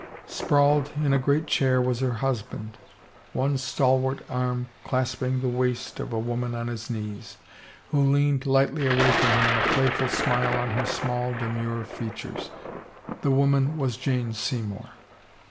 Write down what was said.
Sprawled in a great chair was her husband, one stal wart arm clasping the waist of a woman on his knees, who leaned lightly away from him, a playful smile on her small, demure features. The woman was Jane Sey mour.